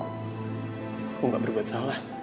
aku gak berbuat salah